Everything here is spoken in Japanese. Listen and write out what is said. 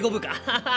ハハハッ！